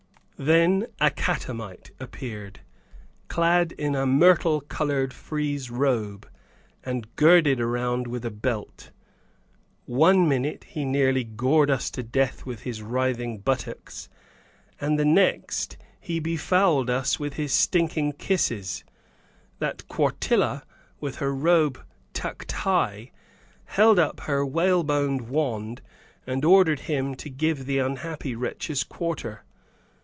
Then a catamite appeared, clad in a myrtle colored frieze robe, and girded round with a belt. One minute he nearly gored us to death with his writhing buttocks, and the next, he befouled us so with his stinking kisses that Quartilla, with her robe tucked high, held up her whalebone wand and ordered him to give the unhappy wretches quarter.